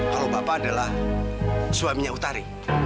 kalau bapak adalah suaminya utari